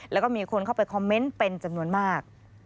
แล้วก็มีคนเข้าไปคอมเมนต์เป็นจำนวนมาก